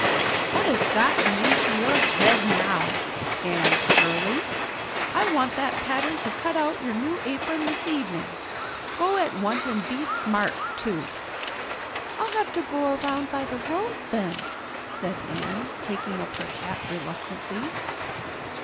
"What has got into your head now, Anne Shirley? I want that pattern to cut out your new apron this evening. Go at once and be smart too." "I'll have to go around by the road, then," said Anne, taking up her hat reluctantly.